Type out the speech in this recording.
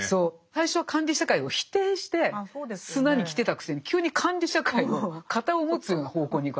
最初は管理社会を否定して砂に来てたくせに急に管理社会の肩を持つような方向に行くわけですよ。